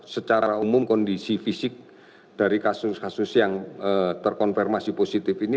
secara umum kondisi fisik dari kasus kasus yang terkonfirmasi positif ini